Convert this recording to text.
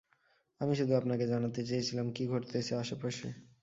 আমি শুধু আপনাকে জানাতে চেয়েছিলাম কি ঘটতেছে আশেপাশে।